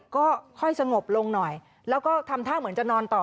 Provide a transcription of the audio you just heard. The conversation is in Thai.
ก็ค่อยสงบลงหน่อยแล้วก็ทำท่าเหมือนจะนอนต่อ